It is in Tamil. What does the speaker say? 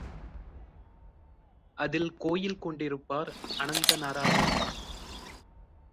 அதில் கோயில் கொண்டிருப்பார் அனந்த நாராயணன்.